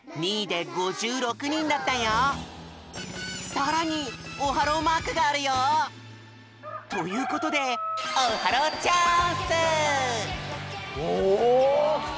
さらにオハローマークがあるよ！ということでおきた！